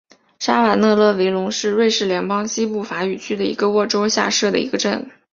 沙瓦讷勒维龙是瑞士联邦西部法语区的沃州下设的一个镇。